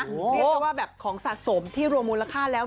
เรียกได้ว่าแบบของสะสมที่รวมมูลค่าแล้ว